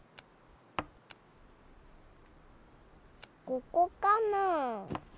ここかな？